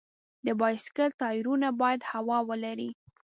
د بایسکل ټایرونه باید هوا ولري.